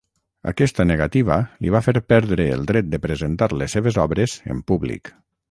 Aquesta negativa li va fer perdre el dret de presentar les seves obres en públic.